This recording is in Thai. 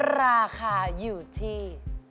ราคาอยู่ที่